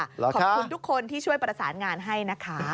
ขอบคุณทุกคนที่ช่วยประสานงานให้นะคะ